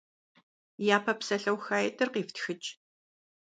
Япэ псалъэухаитӀыр къифтхыкӀ.